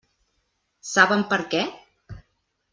Saben per què?